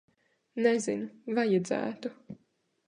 Nezinu. Vajadzētu.